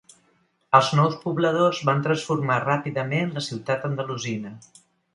Els nous pobladors van transformar ràpidament la ciutat andalusina.